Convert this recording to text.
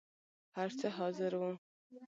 هر څه حاضر وو.